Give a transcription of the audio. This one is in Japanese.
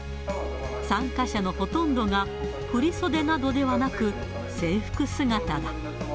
参加者のほとんどが、振り袖などではなく、制服姿だ。